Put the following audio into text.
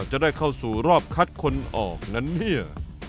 จะได้เข้าสู่รอบคัดคนออกนั้นเนี่ย